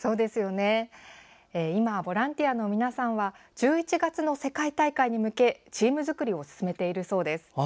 今、ボランティアの皆さんは１１月の世界大会に向けチーム作りを進めているそうです。